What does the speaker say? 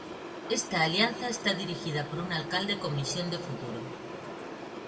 Esta alianza está dirigida por un alcalde con visión de futuro.